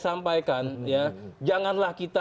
sampaikan janganlah kita